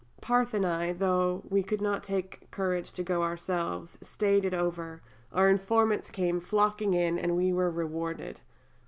Parthe and I, though we could not take courage to go ourselves, staid it over; our informants came flocking in, and we were rewarded."